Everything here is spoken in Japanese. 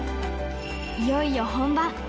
いよいよ本番。